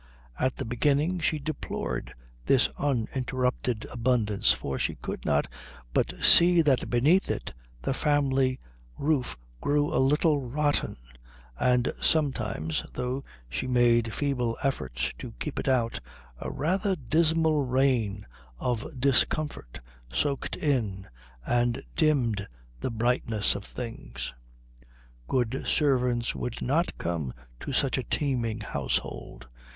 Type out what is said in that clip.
At the beginning she deplored this uninterrupted abundance, for she could not but see that beneath it the family roof grew a little rotten and sometimes, though she made feeble efforts to keep it out, a rather dismal rain of discomfort soaked in and dimmed the brightness of things. Good servants would not come to such a teeming household.